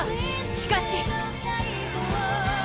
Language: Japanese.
しかし。